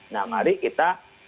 nah mari kita berkata